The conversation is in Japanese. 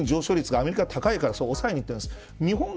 賃金上昇はアメリカが高いから抑えにいってるんです。